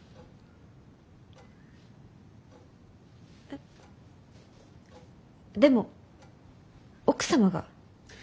えでも奥様が。